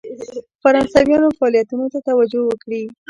فرانسویانو فعالیتونو ته توجه وکړي.